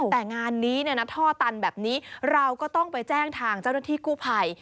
แต่งานนี้ท่อตันแบบนี้เราก็ต้องไปแจ้งทางเจ้าหน้าที่กู้ภัย